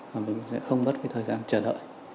mà mình sẽ không mất cái thời gian chờ đợi